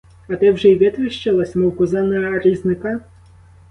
А ти вже й витріщилась, мов коза на різника?